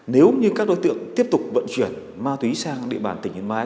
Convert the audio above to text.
nếu như các đối tượng tiếp tục vận chuyển ma túy sang địa bàn tỉnh yên bái